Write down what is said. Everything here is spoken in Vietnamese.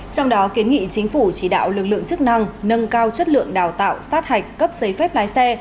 trong đó kiến nghị chính phủ chỉ đạo lực lượng chức năng nâng cao chất lượng đào tạo sát hạch cấp giấy phép lái xe